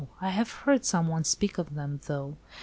I have heard some one speak of them, though."